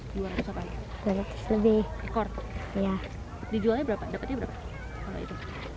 dijualnya berapa dapatnya berapa